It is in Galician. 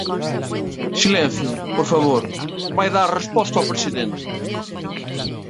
Silencio, por favor, vai dar resposta o presidente.